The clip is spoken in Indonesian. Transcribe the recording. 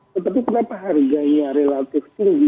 tetapi kenapa harganya relatif